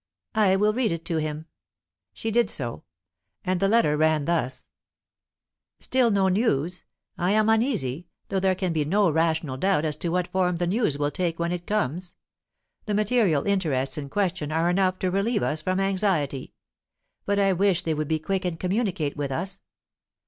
"I will read it to him." She did so. And the letter ran thus: "Still no news? I am uneasy, though there can be no rational doubt as to what form the news will take when it comes. The material interests in question are enough to relieve us from anxiety. But I wish they would be quick and communicate with us.